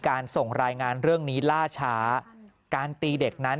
ส่งรายงานเรื่องนี้ล่าช้าการตีเด็กนั้น